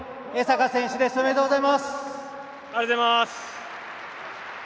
ありがとうございます。